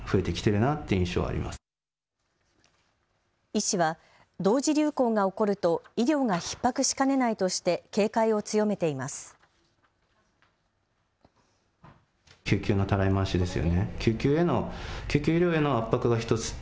医師は同時流行が起こると医療がひっ迫しかねないとして警戒を強めています。